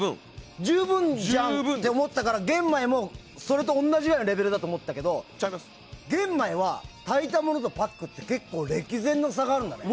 十分じゃんって思ったから玄米もそれと同じぐらいのレベルだと思ったけど玄米は炊いたものとパックで結構、歴然の差があるんだね。